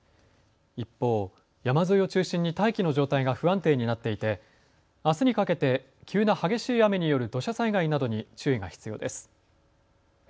一方、山沿いを中心に大気の状態が不安定になっていてあすにかけて急な激しい雨による土砂災害などに注意が必要です。